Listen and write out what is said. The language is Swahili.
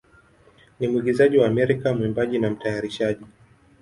ni mwigizaji wa Amerika, mwimbaji, na mtayarishaji.